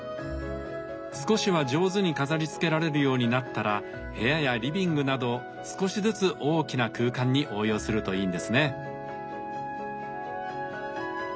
少しは上手に飾りつけられるようになったら部屋やリビングなど少しずつ大きな空間に応用するといいんですね。